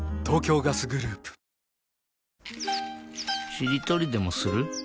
しりとりでもする？